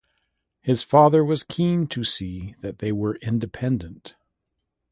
His father was keen to see that they were independent.